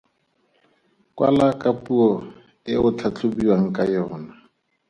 Kwala ka puo e o tlhatlhobiwang ka yona.